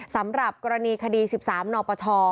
สำหรับกรณีคดี๑๓นปช